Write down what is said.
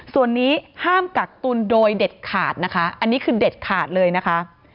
ส่วนนี้ห้ามกักตุลโดยเด็ดขาดนะคะอันนี้คือเด็ดขาดเลยนะคะ